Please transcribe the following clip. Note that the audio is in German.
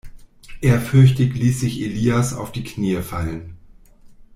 Ehrfürchtig ließ sich Elias auf die Knie fallen.